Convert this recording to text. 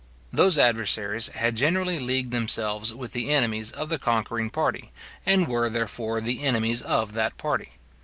Those adversaries had generally leagued themselves with the enemies of the conquering party, and were, therefore the enemies of that party.